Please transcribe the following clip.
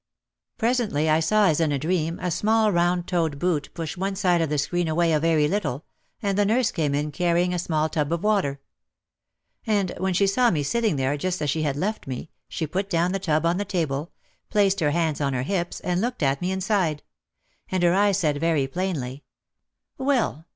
Presently I saw as in a dream a small round toed boot push one side of the screen away a very little, and the nurse came in carrying a small tub of water. And when she saw me sitting there just as she had left me she put down the tub on the table, placed her hands on her hips and looked at me and sighed, and her eyes said very plainly: "Well